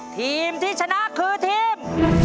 ทีมที่ชนะคือทีม